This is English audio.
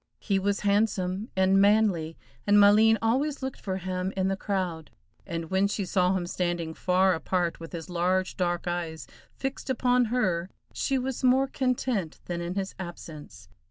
He was handsome and manly, and Maleen always looked for him in the crowd, and when she saw him standing far apart with his large dark eyes fixed upon her, she was more content than in his absence.